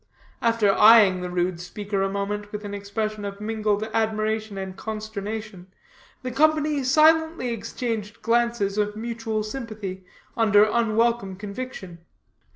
After eying the rude speaker a moment with an expression of mingled admiration and consternation, the company silently exchanged glances of mutual sympathy under unwelcome conviction.